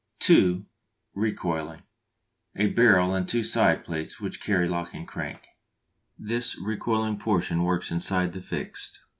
(2) Recoiling: a barrel and two side plates which carry lock and crank. This recoiling portion works inside the fixed.